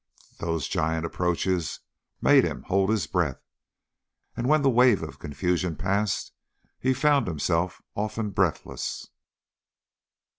Those giant approaches made him hold his breath, and when the wave of confusion passed, he found himself often breathless.